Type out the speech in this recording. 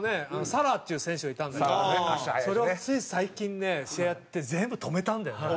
サラーっていう選手がいたんだけどねそれをつい最近ね試合やって全部止めたんだよね。